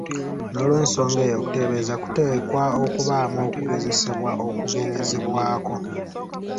Noolwensonga eyo, okuteebereza kuteekwa okubaamu okugezesebwa okugerezebwako.